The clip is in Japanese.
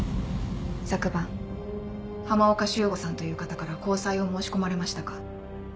昨晩浜岡修吾さんという方から交際を申し込まれましたか？